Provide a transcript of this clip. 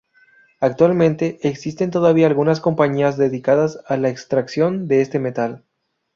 Actualmente, existen todavía algunas compañías dedicadas a la extracción de este metal.